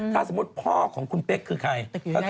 ถ้าสมมุติพ่อของคุณเป๊กคือใคร